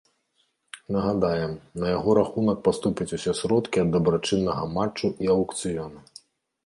Нагадаем, на яго рахунак паступяць усе сродкі ад дабрачыннага матчу і аўкцыёну.